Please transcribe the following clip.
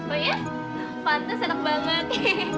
oh iya pantas enak banget